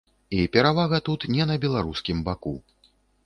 І перавага тут не на беларускім баку.